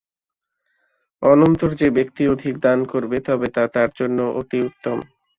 অনন্তর যে ব্যক্তি অধিক দান করবে তবে তা তার জন্য অতি উত্তম।